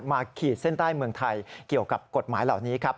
ขีดเส้นใต้เมืองไทยเกี่ยวกับกฎหมายเหล่านี้ครับ